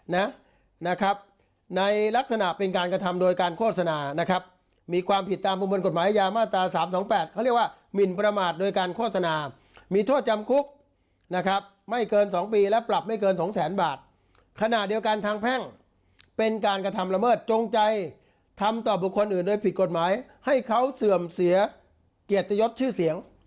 นะครับในลักษณะเป็นการกระทำโดยการโฆษณานะครับมีความผิดตามประมวลกฎหมายยามาตราสามสองแปดเขาเรียกว่าหมินประมาทโดยการโฆษณามีโทษจำคุกนะครับไม่เกินสองปีและปรับไม่เกินสองแสนบาทขณะเดียวกันทางแพ่งเป็นการกระทำละเมิดจงใจทำต่อบุคคลอื่นโดยผิดกฎหมายให้เขาเสื่อมเสียเกียรติยศชื่อเสียง